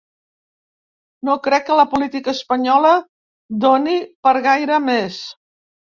No crec que la política espanyola doni per gaire més.